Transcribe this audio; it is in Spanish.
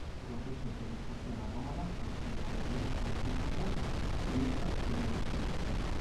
Procesos de difusión anómala han sido medidos en física, química y biología.